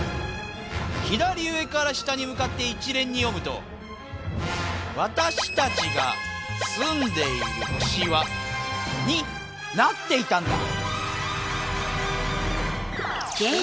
左上から下にむかって一連に読むと「わたしたちがすんでいるほしは？」になっていたんだ。